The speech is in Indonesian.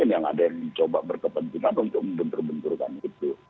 yang ada yang mencoba berkepentingan untuk membentur benturkan itu